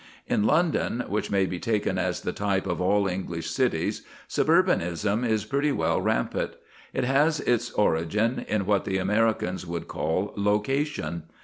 In London, which may be taken as the type of all English cities, suburbanism is pretty well rampant. It has its origin in what the Americans would call "location."